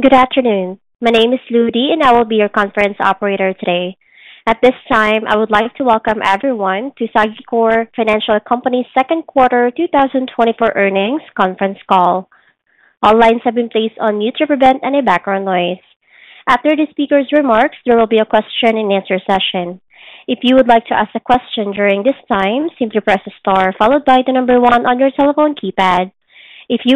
Good afternoon. My name is Ludy, and I will be your conference operator today. At this time, I would like to welcome everyone to Sagicor's Great. Thank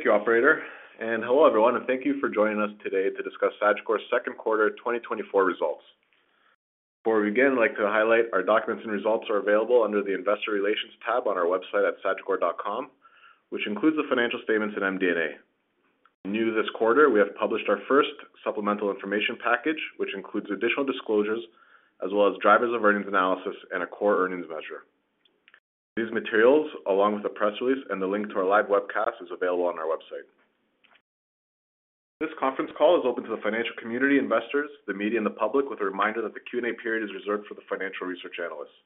you, operator, and hello, everyone, and thank you for joining us today to discuss Sagicor's second quarter 2024 results. Before we begin, I'd like to highlight our documents and results are available under the Investor Relations tab on our website at sagicor.com, which includes the financial statements in MD&A. New this quarter, we have published our first supplemental information package, which includes additional disclosures as well as drivers of earnings analysis and a core earnings measure. These materials, along with the press release and the link to our live webcast, is available on our website. This conference call is open to the financial community investors, the media, and the public, with a reminder that the Q&A period is reserved for the financial research analysts.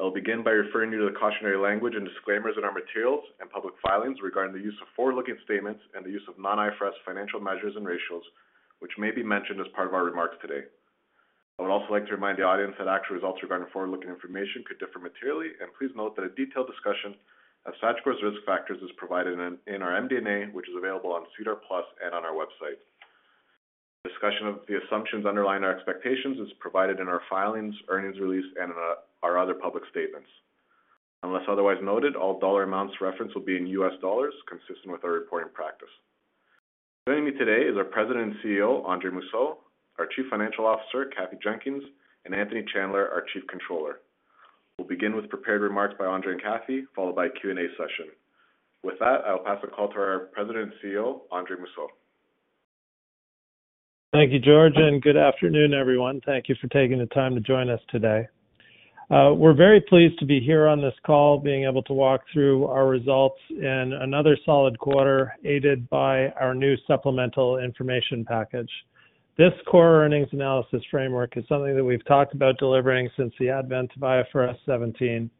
I will begin by referring you to the cautionary language and disclaimers in our materials and public filings regarding the use of forward-looking statements and the use of non-IFRS financial measures and ratios, which may be mentioned as part of our remarks today. I would also like to remind the audience that actual results regarding forward-looking information could differ materially, and please note that a detailed discussion of Sagicor's risk factors is provided in our MD&A, which is available on SEDAR+ and on our website. Discussion of the assumptions underlying our expectations is provided in our filings, earnings release, and in our other public statements. Unless otherwise noted, all dollar amounts referenced will be in US dollars, consistent with our reporting practice. Joining me today is our President and CEO, Andre Mousseau, our Chief Financial Officer, Kathy Jenkins, and Anthony Chandler, our Chief Controller. We'll begin with prepared remarks by Andre and Kathy, followed by a Q&A session. With that, I will pass the call to our President and CEO, Andre Mousseau. Thank you, George, and good afternoon, everyone. Thank you for taking the time to join us today. We're very pleased to be here on this call, being able to walk through our results in another solid quarter, aided by our new supplemental information package. This core earnings analysis framework is something that we've talked about delivering since the advent of IFRS 17,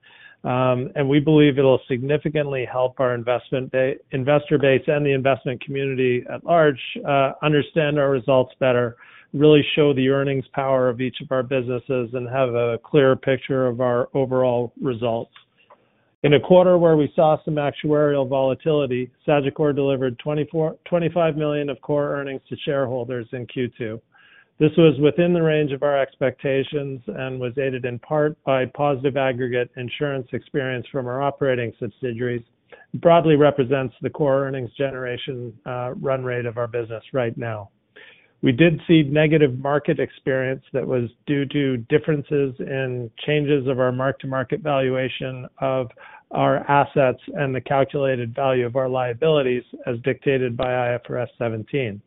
and we believe it'll significantly help our investor base and the investment community at large, understand our results better, really show the earnings power of each of our businesses, and have a clearer picture of our overall results. In a quarter where we saw some actuarial volatility, Sagicor delivered $25 million of core earnings to shareholders in Q2. This was within the range of our expectations and was aided in part by positive aggregate insurance experience from our operating subsidiaries. It broadly represents the core earnings generation, run rate of our business right now. We did see negative market experience that was due to differences in changes of our mark-to-market valuation of our assets and the calculated value of our liabilities, as dictated by IFRS 17.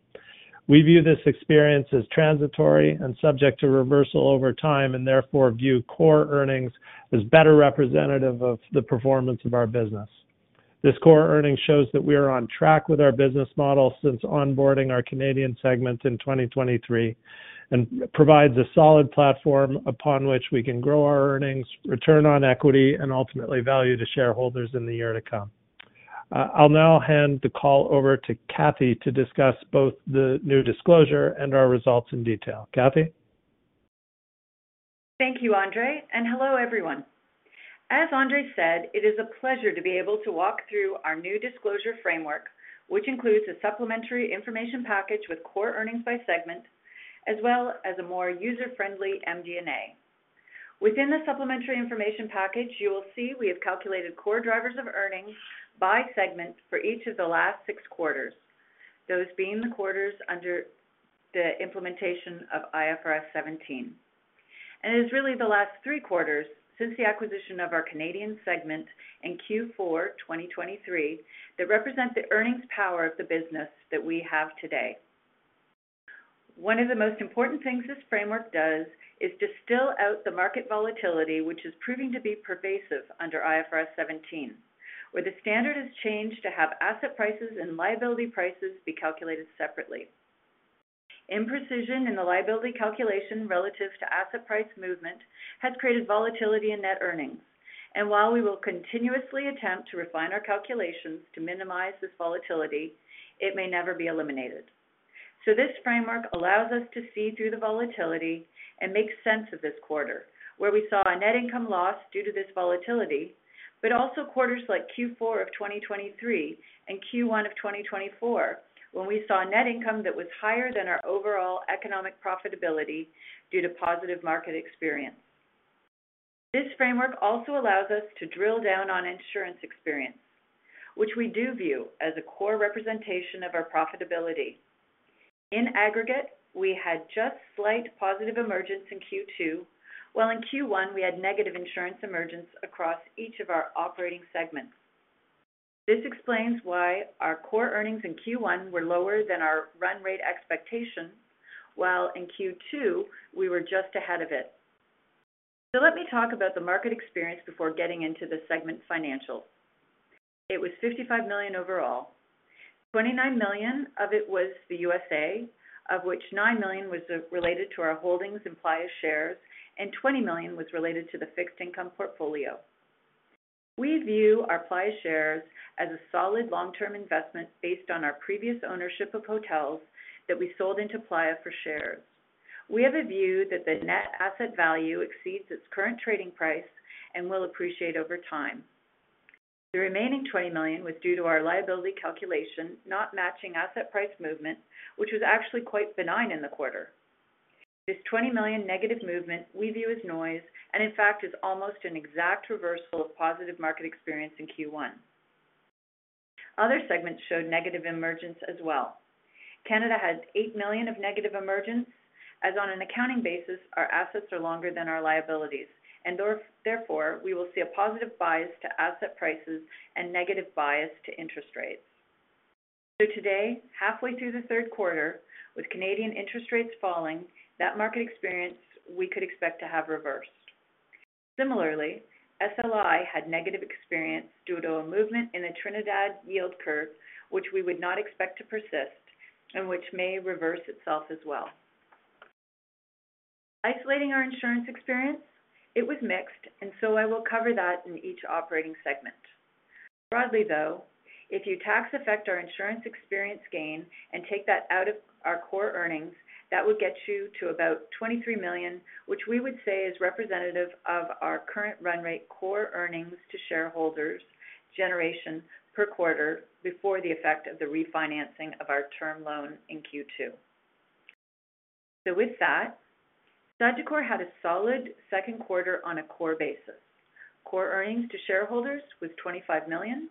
We view this experience as transitory and subject to reversal over time and therefore view core earnings as better representative of the performance of our business. This core earnings shows that we are on track with our business model since onboarding our Canadian segment in 2023 and provides a solid platform upon which we can grow our earnings, return on equity, and ultimately value to shareholders in the year to come. I'll now hand the call over to Kathy to discuss both the new disclosure and our results in detail. Kathy? Thank you, Andre, and hello, everyone. As Andre said, it is a pleasure to be able to walk through our new disclosure framework, which includes a supplementary information package with core earnings by segment, as well as a more user-friendly MD&A. Within the supplementary information package, you will see we have calculated core drivers of earnings by segment for each of the last six quarters, those being the quarters under the implementation of IFRS 17. It is really the last three quarters since the acquisition of our Canadian segment in Q4 2023 that represent the earnings power of the business that we have today. One of the most important things this framework does is distill out the market volatility, which is proving to be pervasive under IFRS 17, where the standard has changed to have asset prices and liability prices be calculated separately. Imprecision in the liability calculation relative to asset price movement has created volatility in net earnings, and while we will continuously attempt to refine our calculations to minimize this volatility, it may never be eliminated. So this framework allows us to see through the volatility and make sense of this quarter, where we saw a net income loss due to this volatility, but also quarters like Q4 of 2023 and Q1 of 2024, when we saw net income that was higher than our overall economic profitability due to positive market experience. This framework also allows us to drill down on insurance experience, which we do view as a core representation of our profitability. In aggregate, we had just slight positive emergence in Q2, while in Q1, we had negative insurance emergence across each of our operating segments. This explains why our core earnings in Q1 were lower than our run rate expectations, while in Q2, we were just ahead of it. So let me talk about the market experience before getting into the segment financials. It was $55 million overall. $29 million of it was the U.S.A., of which $9 million was related to our holdings in Playa shares, and $20 million was related to the fixed income portfolio. We view our Playa shares as a solid long-term investment based on our previous ownership of hotels that we sold into Playa for shares. We have a view that the net asset value exceeds its current trading price and will appreciate over time. The remaining $20 million was due to our liability calculation, not matching asset price movement, which was actually quite benign in the quarter. This $20 million negative movement we view as noise, and in fact, is almost an exact reversal of positive market experience in Q1. Other segments showed negative emergence as well. Canada had $8 million of negative emergence, as on an accounting basis, our assets are longer than our liabilities, and therefore, we will see a positive bias to asset prices and negative bias to interest rates. So today, halfway through the third quarter, with Canadian interest rates falling, that market experience we could expect to have reversed. Similarly, SLI had negative experience due to a movement in the Trinidad yield curve, which we would not expect to persist and which may reverse itself as well. Isolating our insurance experience, it was mixed, and so I will cover that in each operating segment. Broadly, though, if you tax effect our insurance experience gain and take that out of our core earnings, that will get you to about $23 million, which we would say is representative of our current run rate core earnings to shareholders generation per quarter before the effect of the refinancing of our term loan in Q2. So with that, Sagicor had a solid second quarter on a core basis. Core earnings to shareholders was $25 million,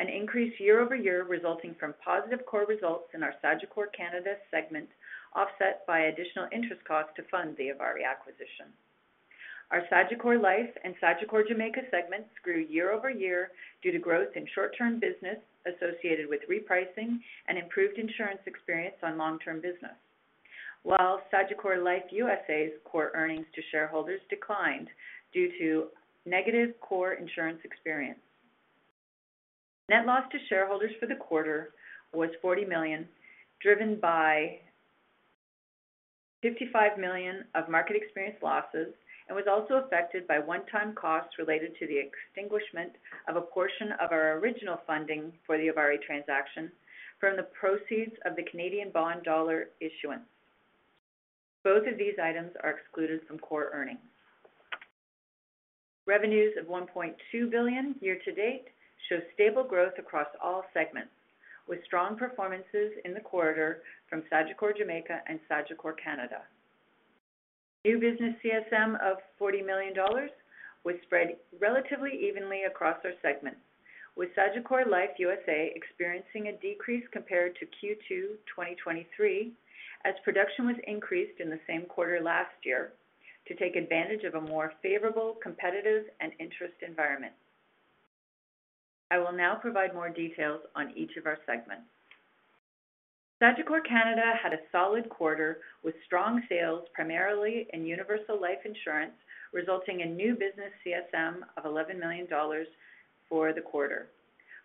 an increase year-over-year, resulting from positive core results in our Sagicor Canada segment, offset by additional interest costs to fund the ivari acquisition. Our Sagicor Life and Sagicor Jamaica segments grew year-over-year due to growth in short-term business associated with repricing and improved insurance experience on long-term business. While Sagicor Life USA's core earnings to shareholders declined due to negative core insurance experience. Net loss to shareholders for the quarter was $40 million, driven by $55 million of market experience losses, and was also affected by one-time costs related to the extinguishment of a portion of our original funding for the ivari transaction from the proceeds of the Canadian bond dollar issuance. Both of these items are excluded from core earnings. Revenues of $1.2 billion year to date show stable growth across all segments, with strong performances in the quarter from Sagicor Jamaica and Sagicor Canada. New business CSM of $40 million was spread relatively evenly across our segments, with Sagicor Life USA experiencing a decrease compared to Q2 2023, as production was increased in the same quarter last year to take advantage of a more favorable, competitive, and interest environment. I will now provide more details on each of our segments. Sagicor Canada had a solid quarter with strong sales, primarily in universal life insurance, resulting in new business CSM of 11 million dollars for the quarter.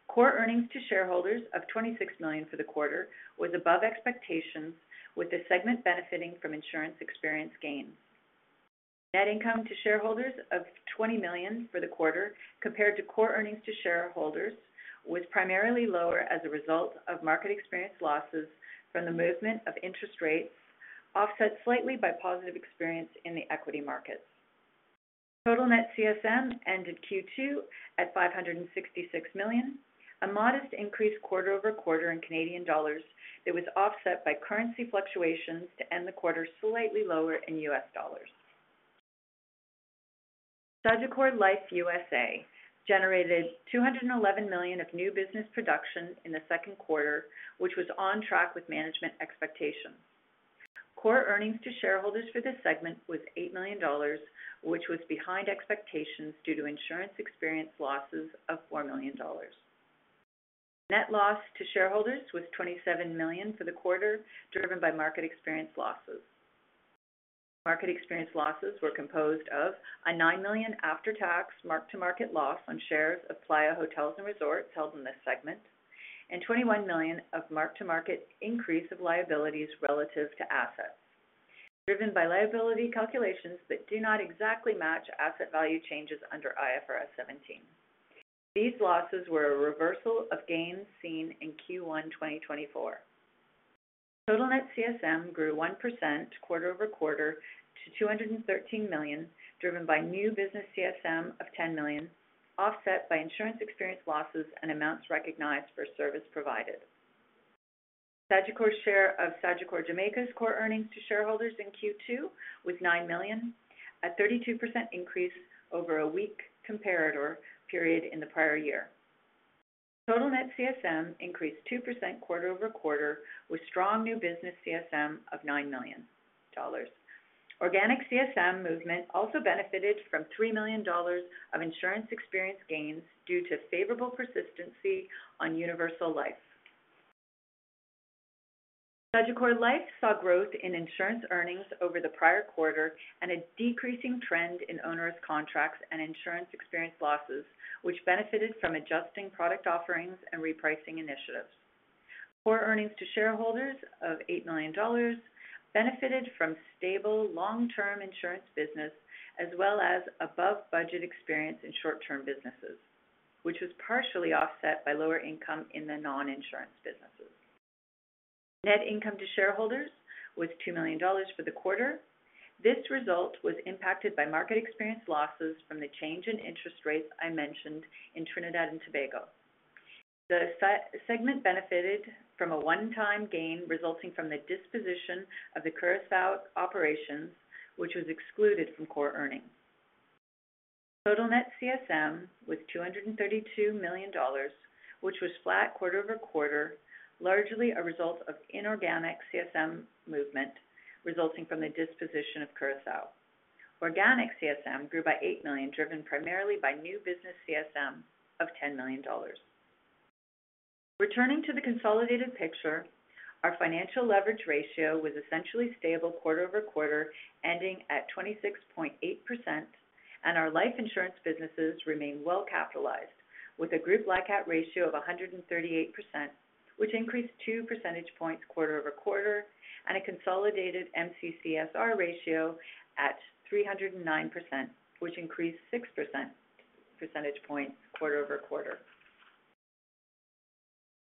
Core earnings to shareholders of 26 million for the quarter was above expectations, with the segment benefiting from insurance experience gains. Net income to shareholders of 20 million for the quarter, compared to core earnings to shareholders, was primarily lower as a result of market experience losses from the movement of interest rates, offset slightly by positive experience in the equity markets. Total net CSM ended Q2 at 566 million, a modest increase quarter-over-quarter in Canadian dollars that was offset by currency fluctuations to end the quarter slightly lower in US dollars. Sagicor Life USA generated $211 million of new business production in the second quarter, which was on track with management expectations. Core earnings to shareholders for this segment was $8 million, which was behind expectations due to insurance experience losses of $4 million. Net loss to shareholders was $27 million for the quarter, driven by market experience losses. Market experience losses were composed of a $9 million after-tax mark-to-market loss on shares of Playa Hotels & Resorts held in this segment, and $21 million of mark-to-market increase of liabilities relative to assets, driven by liability calculations that do not exactly match asset value changes under IFRS 17. These losses were a reversal of gains seen in Q1 2024. Total net CSM grew 1% quarter-over-quarter to $213 million, driven by new business CSM of $10 million, offset by insurance experience losses and amounts recognized for service provided. Sagicor's share of Sagicor Jamaica's core earnings to shareholders in Q2 was $9 million, a 32% increase over a weak comparator period in the prior year. Total net CSM increased 2% quarter-over-quarter, with strong new business CSM of $9 million. Organic CSM movement also benefited from $3 million of insurance experience gains due to favorable persistency on universal life. Sagicor Life saw growth in insurance earnings over the prior quarter and a decreasing trend in onerous contracts and insurance experience losses, which benefited from adjusting product offerings and repricing initiatives. Core earnings to shareholders of $8 million benefited from stable long-term insurance business, as well as above-budget experience in short-term businesses, which was partially offset by lower income in the non-insurance businesses. Net income to shareholders was $2 million for the quarter. This result was impacted by market experience losses from the change in interest rates I mentioned in Trinidad and Tobago. The segment benefited from a one-time gain resulting from the disposition of the Curaçao operations, which was excluded from core earnings. Total net CSM was $232 million, which was flat quarter-over-quarter, largely a result of inorganic CSM movement resulting from the disposition of Curaçao. Organic CSM grew by $8 million, driven primarily by new business CSM of $10 million. Returning to the consolidated picture, our financial leverage ratio was essentially stable quarter-over-quarter, ending at 26.8%, and our life insurance businesses remain well capitalized, with a group LICAT ratio of 138%, which increased 2% points quarter-over-quarter, and a consolidated MCCSR ratio at 309%, which increased 6% points quarter-over-quarter.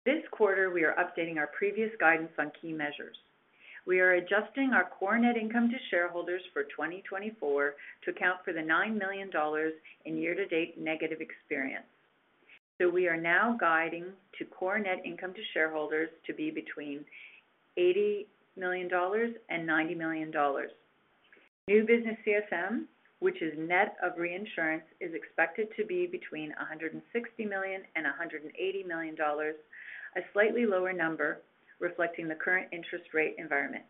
This quarter, we are updating our previous guidance on key measures. We are adjusting our core net income to shareholders for 2024 to account for the $9 million in year-to-date negative experience. So we are now guiding to core net income to shareholders to be between $80 million and $90 million. New business CSM, which is net of reinsurance, is expected to be between $160 million and $180 million, a slightly lower number, reflecting the current interest rate environment.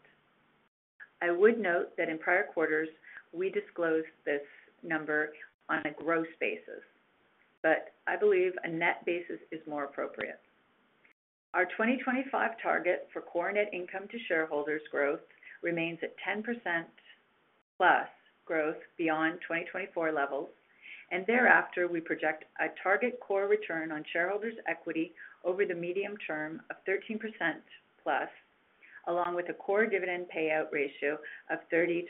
I would note that in prior quarters, we disclosed this number on a gross basis, but I believe a net basis is more appropriate. Our 2025 target for core net income to shareholders growth remains at 10%+ growth beyond 2024 levels, and thereafter, we project a target core return on shareholders' equity over the medium term of 13%+, along with a core dividend payout ratio of 30%-40%.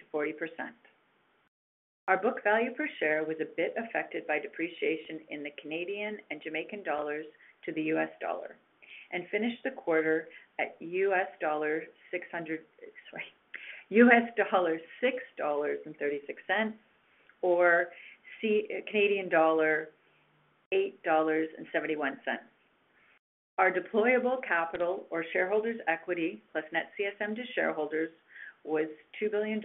Our book value per share was a bit affected by depreciation in the Canadian and Jamaican dollars to the US dollar, and finished the quarter at $600... Sorry, US dollar, $6.36, or Canadian dollar, 8.71 dollars. Our deployable capital or shareholders' equity plus net CSM to shareholders was $2 billion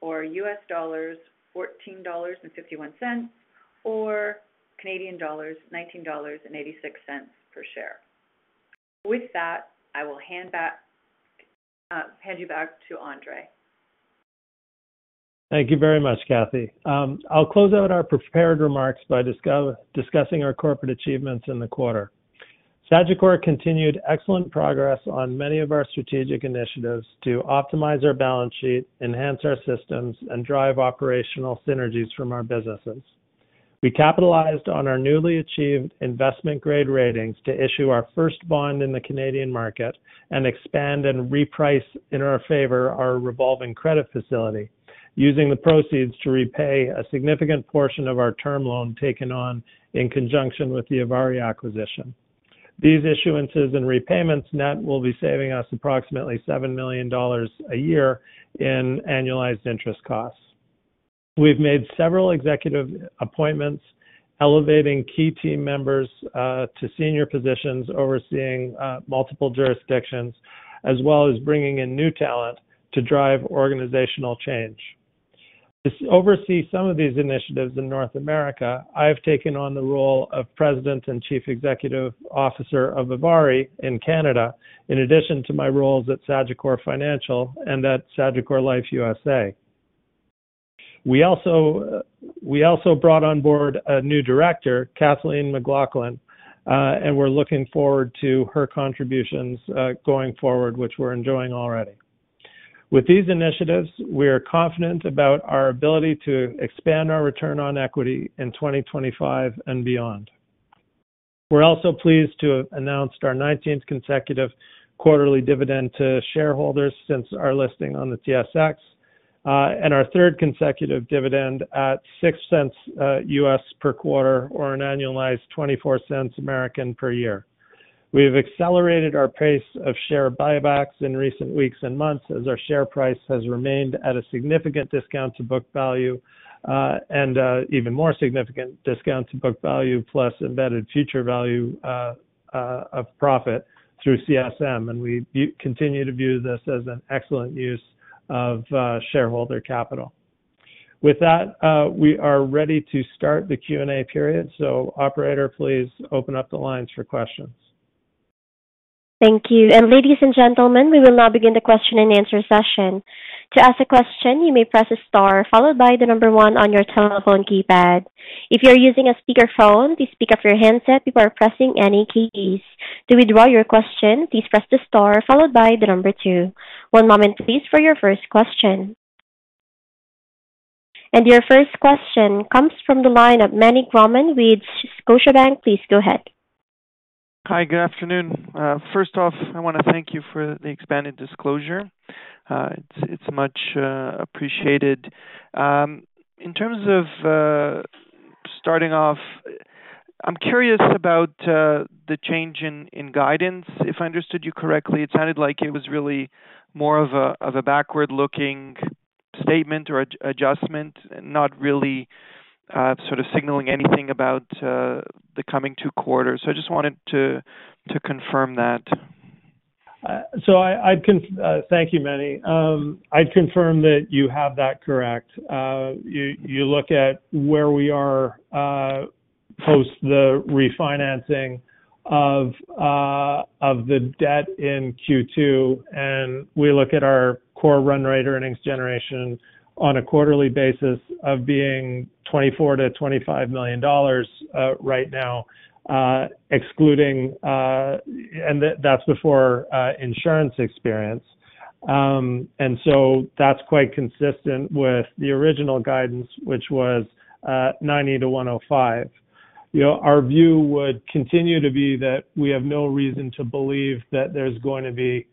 or US dollars, $14.51, or Canadian dollars, 19.86 dollars per share. With that, I will hand back, hand you back to Andre. Thank you very much, Kathy. I'll close out our prepared remarks by discussing our corporate achievements in the quarter. Sagicor continued excellent progress on many of our strategic initiatives to optimize our balance sheet, enhance our systems, and drive operational synergies from our businesses. We capitalized on our newly achieved investment-grade ratings to issue our first bond in the Canadian market and expand and reprice, in our favor, our revolving credit facility, using the proceeds to repay a significant portion of our term loan taken on in conjunction with the ivari acquisition. These issuances and repayments net will be saving us approximately $7 million a year in annualized interest costs. We've made several executive appointments, elevating key team members to senior positions, overseeing multiple jurisdictions, as well as bringing in new talent to drive organizational change. To oversee some of these initiatives in North America, I've taken on the role of President and Chief Executive Officer of ivari in Canada, in addition to my roles at Sagicor Financial and at Sagicor Life USA. We also brought on board a new director, Kathleen McLaughlin, and we're looking forward to her contributions, going forward, which we're enjoying already. With these initiatives, we are confident about our ability to expand our return on equity in 2025 and beyond. We're also pleased to have announced our 19th consecutive quarterly dividend to shareholders since our listing on the TSX, and our 3rd consecutive dividend at $0.06 per quarter or an annualized $0.24 per year. We have accelerated our pace of share buybacks in recent weeks and months as our share price has remained at a significant discount to book value, and even more significant discount to book value plus embedded future value of profit through CSM, and we continue to view this as an excellent use of shareholder capital. With that, we are ready to start the Q&A period. So operator, please open up the lines for questions. Thank you. Ladies and gentlemen, we will now begin the question-and-answer session.... To ask a question, you may press star, followed by the number one on your telephone keypad. If you're using a speakerphone, please pick up your handset before pressing any keys. To withdraw your question, please press the star followed by the number two. One moment please, for your first question. Your first question comes from the line of Meny Grauman with Scotiabank. Please go ahead. Hi, good afternoon. First off, I want to thank you for the expanded disclosure. It's, it's much appreciated. In terms of starting off, I'm curious about the change in guidance. If I understood you correctly, it sounded like it was really more of a backward-looking statement or adjustment, not really sort of signaling anything about the coming two quarters. So I just wanted to confirm that. So thank you, Meny. I'd confirm that you have that correct. You look at where we are post the refinancing of the debt in Q2, and we look at our core run rate earnings generation on a quarterly basis of being $24 million-$25 million right now, excluding, and that's before insurance experience. And so that's quite consistent with the original guidance, which was $90 million-$105 million. You know, our view would continue to be that we have no reason to believe that there's going to be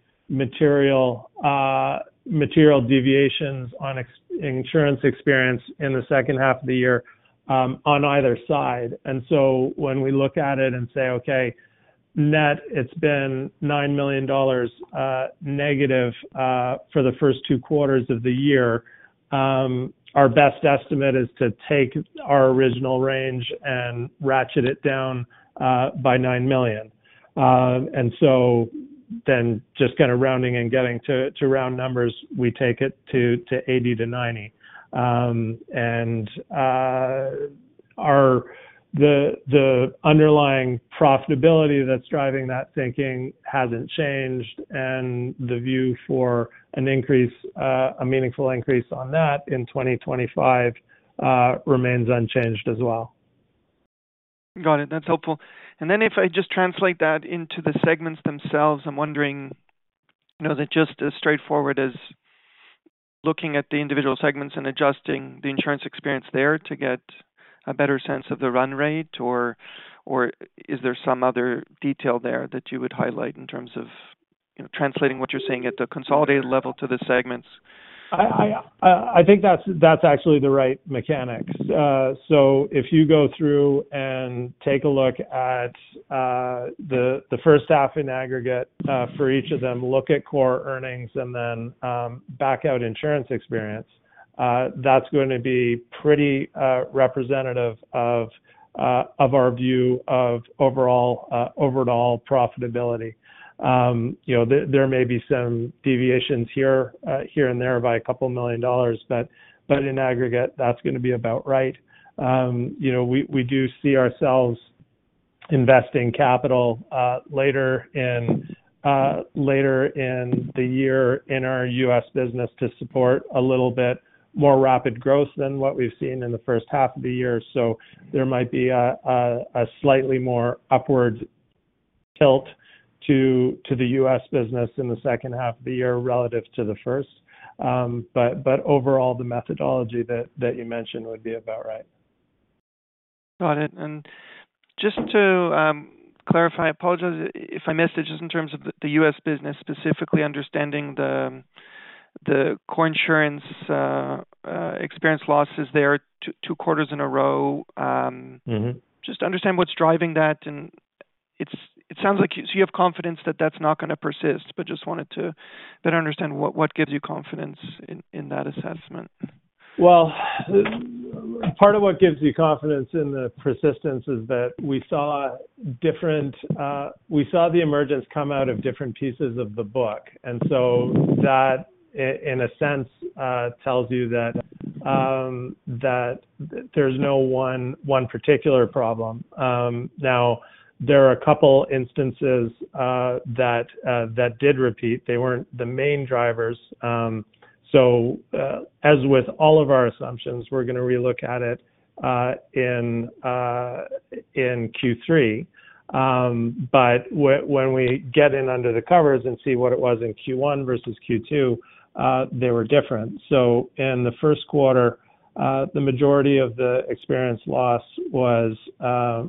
material deviations on insurance experience in the second half of the year, on either side. And so when we look at it and say, "Okay, net, it's been $9 million negative for the first two quarters of the year," our best estimate is to take our original range and ratchet it down by $9 million. And so then just kind of rounding and getting to round numbers, we take it to $80 million-$90 million. And the underlying profitability that's driving that thinking hasn't changed, and the view for an increase, a meaningful increase on that in 2025, remains unchanged as well. Got it. That's helpful. And then if I just translate that into the segments themselves, I'm wondering, you know, is it just as straightforward as looking at the individual segments and adjusting the insurance experience there to get a better sense of the run rate, or, or is there some other detail there that you would highlight in terms of, you know, translating what you're seeing at the consolidated level to the segments? I think that's actually the right mechanics. So if you go through and take a look at the first half in aggregate for each of them, look at core earnings and then back out insurance experience, that's going to be pretty representative of our view of overall profitability. You know, there may be some deviations here and there by $2 million, but in aggregate, that's going to be about right. You know, we do see ourselves investing capital later in the year in our U.S. business to support a little bit more rapid growth than what we've seen in the first half of the year. So there might be a slightly more upward tilt to the U.S. business in the second half of the year relative to the first. But overall, the methodology that you mentioned would be about right. Got it. And just to clarify, apologies if I missed it, just in terms of the U.S. business, specifically understanding the core insurance Mm-hmm. Just to understand what's driving that, and it's, it sounds like you, so you have confidence that that's not going to persist, but just wanted to better understand what, what gives you confidence in, in that assessment? Well, part of what gives me confidence in the persistence is that we saw different, we saw the emergence come out of different pieces of the book, and so that in a sense tells you that that there's no one particular problem. Now, there are a couple instances that that did repeat. They weren't the main drivers. So, as with all of our assumptions, we're going to relook at it in Q3. But when we get in under the covers and see what it was in Q1 versus Q2, they were different. So in the first quarter, the majority of the experience loss was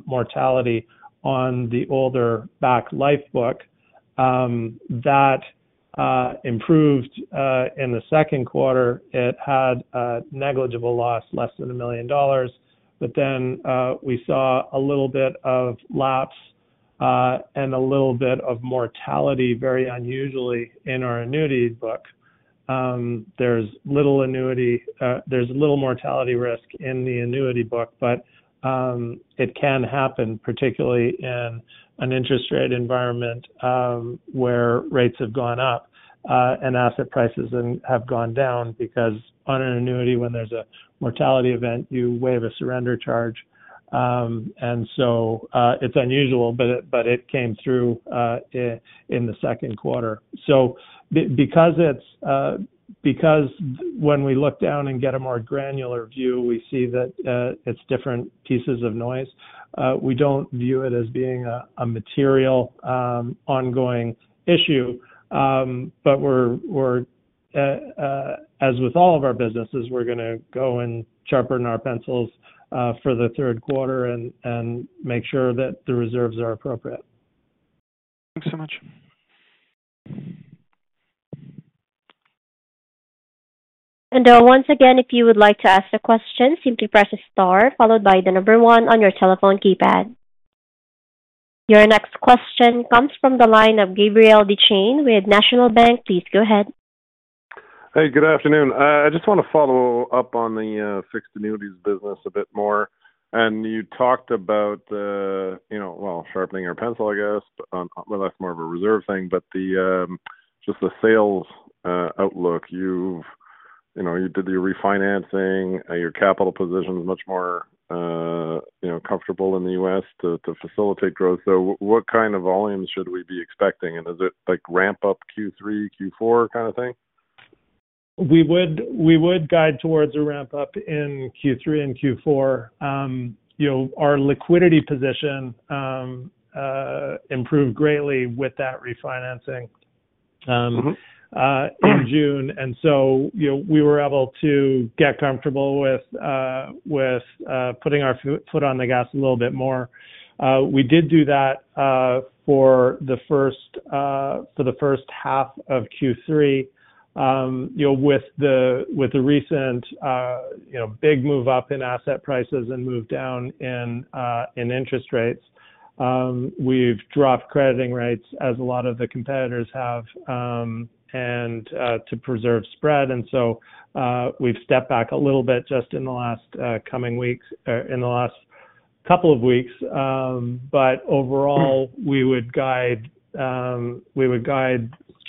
mortality on the older back life book But then, we saw a little bit of lapse, and a little bit of mortality, very unusually in our annuity book. There's little mortality risk in the annuity book, but it can happen particularly in an interest rate environment, where rates have gone up, and asset prices have gone down, because on an annuity, when there's a mortality event, you waive a surrender charge. And so, it's unusual, but it, but it came through in the second quarter. Because when we look down and get a more granular view, we see that, it's different pieces of noise. We don't view it as being a material, ongoing issue. But, as with all of our businesses, we're gonna go and sharpen our pencils for the third quarter and make sure that the reserves are appropriate. Thanks so much. Once again, if you would like to ask a question, simply press star followed by the number one on your telephone keypad. Your next question comes from the line of Gabriel Dechaine with National Bank. Please go ahead. Hey, good afternoon. I just want to follow up on the fixed annuities business a bit more. And you talked about, you know, well, sharpening your pencil, I guess, on—well, that's more of a reserve thing, but just the sales outlook. You've, you know, you did the refinancing, and your capital position is much more, you know, comfortable in the U.S. to facilitate growth. So what kind of volumes should we be expecting, and is it like ramp up Q3, Q4 kind of thing? We would guide towards a ramp up in Q3 and Q4. You know, our liquidity position improved greatly with that refinancing. Mm-hmm. In June, and so, you know, we were able to get comfortable with putting our foot on the gas a little bit more. We did do that for the first half of Q3. You know, with the recent, you know, big move up in asset prices and move down in interest rates, we've dropped crediting rates as a lot of the competitors have, and to preserve spread. And so, we've stepped back a little bit just in the last couple of weeks. But overall, we would guide Q3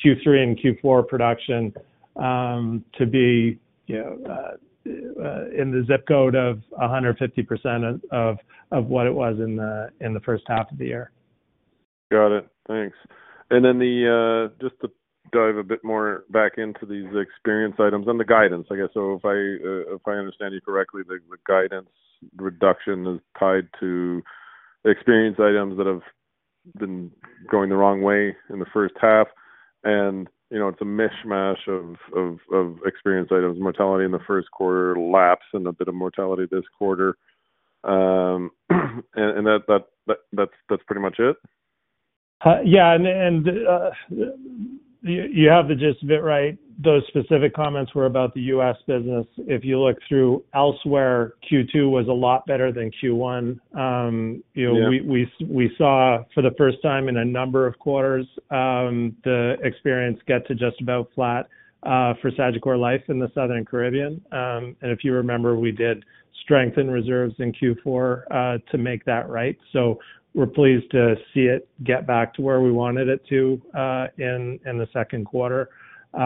and Q4 production to be, you know, in the ZIP code of 150% of what it was in the first half of the year. Got it. Thanks. And then the just to dive a bit more back into these experience items and the guidance, I guess. So if I if I understand you correctly, the guidance reduction is tied to experience items that have been going the wrong way in the first half. And, you know, it's a mishmash of experience items, mortality in the first quarter, lapse and a bit of mortality this quarter. And that's pretty much it? Yeah, and you have the gist of it, right. Those specific comments were about the U.S. business. If you look through elsewhere, Q2 was a lot better than Q1. You know- Yeah. We saw for the first time in a number of quarters, the experience get to just about flat, for Sagicor Life in the Southern Caribbean. And if you remember, we did strengthen reserves in Q4, to make that right. So we're pleased to see it get back to where we wanted it to, in the second quarter. You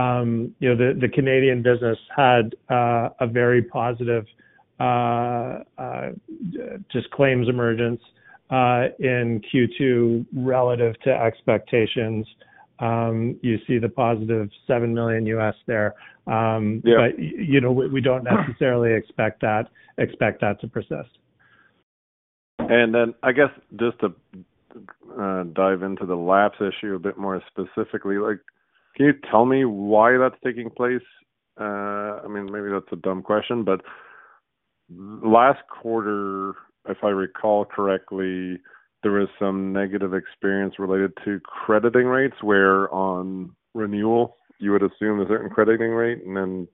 know, the Canadian business had a very positive just claims emergence in Q2 relative to expectations. You see the positive $7 million there. Yeah. You know, we don't necessarily expect that to persist. And then I guess just to dive into the lapse issue a bit more specifically, like, can you tell me why that's taking place? I mean, maybe that's a dumb question, but last quarter, if I recall correctly, there was some negative experience related to crediting rates, where on renewal, you would assume a certain crediting rate, and then,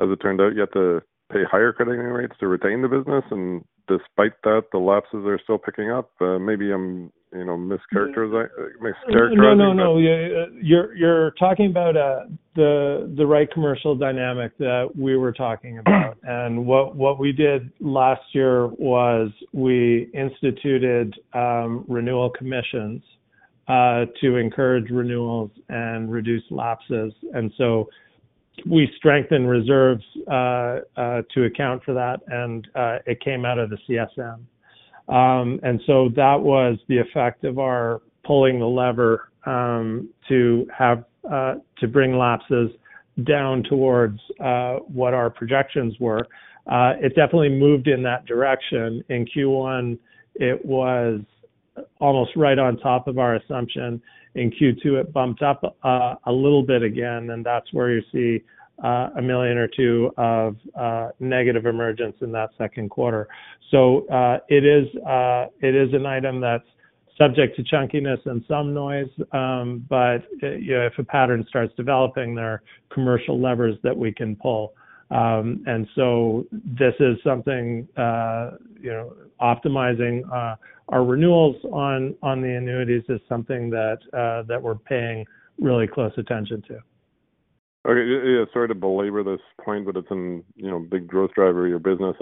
as it turned out, you have to pay higher crediting rates to retain the business. And despite that, the lapses are still picking up. Maybe I'm, you know, mischaracterizing- No, no, no. mischaracterizing, but- You're talking about the right commercial dynamic that we were talking about. What we did last year was we instituted renewal commissions to encourage renewals and reduce lapses. We strengthened reserves to account for that, and it came out of the CSM. That was the effect of our pulling the lever to bring lapses down towards what our projections were. It definitely moved in that direction. In Q1, it was almost right on top of our assumption. In Q2, it bumped up a little bit again, and that's where you see $1 million or $2 million of negative emergence in that second quarter. So, it is an item that's subject to chunkiness and some noise, but, you know, if a pattern starts developing, there are commercial levers that we can pull. So this is something, you know, optimizing our renewals on the annuities is something that we're paying really close attention to. Okay. Yeah, sorry to belabor this point, but it's an, you know, big growth driver of your business.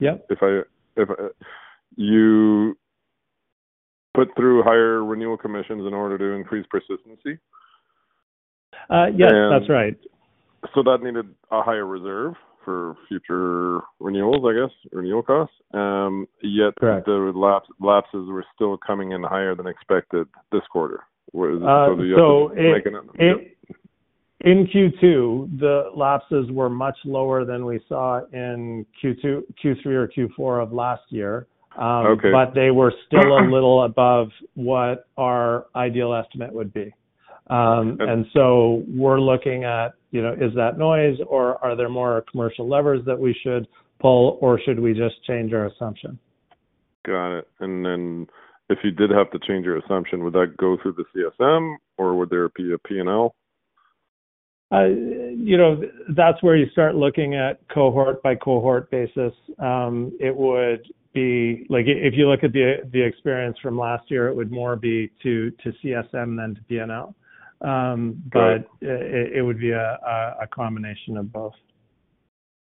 Yep. If you put through higher renewal commissions in order to increase persistency? Yes, that's right. That needed a higher reserve for future renewals, I guess, renewal costs. Correct. The lapse, lapses were still coming in higher than expected this quarter, so you have to make an... Yep. In Q2, the lapses were much lower than we saw in Q2, Q3 or Q4 of last year. Okay. They were still a little above what our ideal estimate would be. So we're looking at, you know, is that noise, or are there more commercial levers that we should pull, or should we just change our assumption? Got it. And then if you did have to change your assumption, would that go through the CSM or would there be a P&L? You know, that's where you start looking at cohort by cohort basis. It would be like if you look at the experience from last year, it would more be to CSM than to P&L. But- Got it. It would be a combination of both.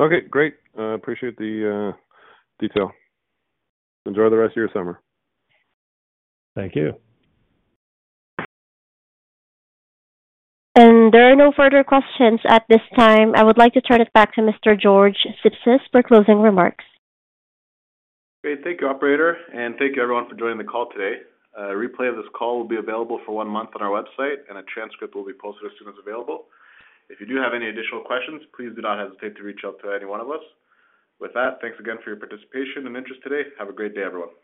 Okay, great. Appreciate the detail. Enjoy the rest of your summer. Thank you. There are no further questions at this time. I would like to turn it back to Mr. George Sipsas for closing remarks. Great. Thank you, operator, and thank you, everyone, for joining the call today. A replay of this call will be available for one month on our website, and a transcript will be posted as soon as available. If you do have any additional questions, please do not hesitate to reach out to any one of us. With that, thanks again for your participation and interest today. Have a great day, everyone.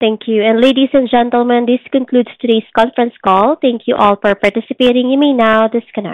Thank you. Ladies and gentlemen, this concludes today's conference call. Thank you all for participating. You may now disconnect.